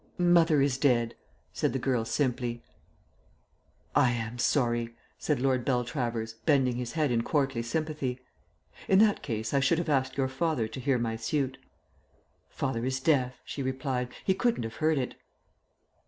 "Mother is dead," said the girl simply. "I am sorry," said Lord Beltravers, bending his head in courtly sympathy. "In that case I should have asked your father to hear my suit." "Father is deaf," she replied. "He couldn't have heard it."